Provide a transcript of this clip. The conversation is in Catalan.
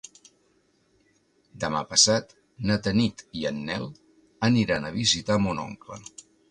Demà passat na Tanit i en Nel aniran a visitar mon oncle.